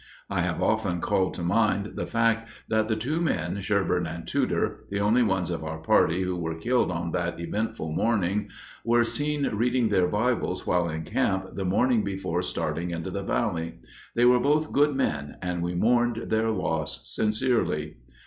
I have often called to mind the fact that the two men, Sherburn and Tudor, the only ones of our party who were killed on that eventful morning, were seen reading their Bibles while in camp the morning before starting into the Valley. They were both good men and we mourned their loss sincerely.